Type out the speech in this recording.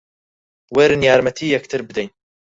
وەرن یارمەتی یەکتر بدەین